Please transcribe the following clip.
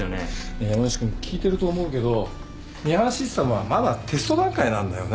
ねえ山内君聞いてると思うけどミハンシステムはまだテスト段階なんだよね。